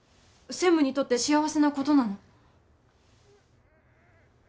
専務にとって幸せなことなの？